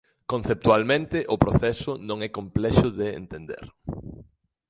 Conceptualmente o proceso non é complexo de entender.